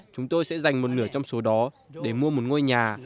chúng tôi sẽ dành một nửa trong số đó để mua một ngôi nhà